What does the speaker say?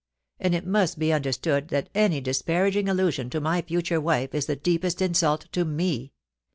And it must be under stood that any disparaging allusion to my future wife is the deepest insult to me.